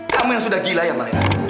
kamu yang sudah gila ya malena